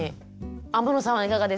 天野さんはいかがですか？